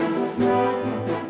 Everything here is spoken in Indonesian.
ke sono larinya